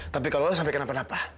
tapi kalau allah sampai kenapa napa